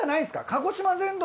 鹿児島全土